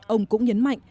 ông cũng nhấn mạnh